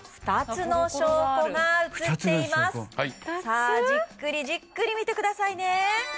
２つの証拠さあじっくりじっくり見てくださいね